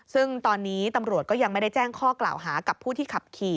ซึ่งตอนนี้ตำรวจก็ยังไม่ได้แจ้งข้อกล่าวหากับผู้ที่ขับขี่